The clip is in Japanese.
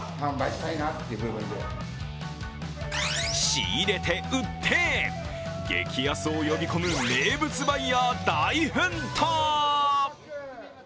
仕入れて、売って、激安を呼び込む名物バイヤー大奮闘。